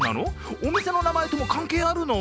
お店の名前とも関係あるの？